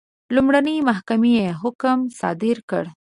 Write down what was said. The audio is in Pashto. لومړنۍ محکمې حکم صادر کړ.